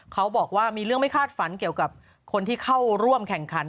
เขาบอกว่ามีเรื่องไม่คาดฝันเกี่ยวกับคนที่เข้าร่วมแข่งขัน